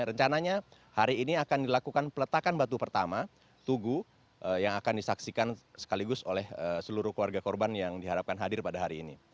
rencananya hari ini akan dilakukan peletakan batu pertama tugu yang akan disaksikan sekaligus oleh seluruh keluarga korban yang diharapkan hadir pada hari ini